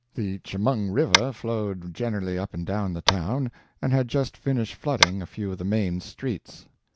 The Chemung River flowed generally up and down the town, and had just finished flooding a few of the main streets.